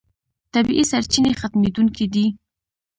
طبیعي سرچینې ختمېدونکې دي.